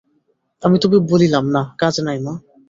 আমি তবু বলিলাম, না, কাজ নাই মা।